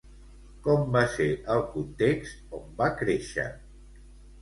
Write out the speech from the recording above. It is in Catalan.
Com va ser el context on va créixer?